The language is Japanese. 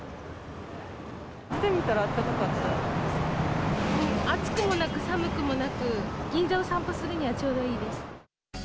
出てみたらあったかかったで暑くもなく寒くもなく、銀座を散歩するにはちょうどいいです。